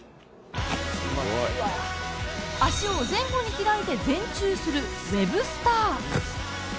足を前後に開いて前宙するウェブスター。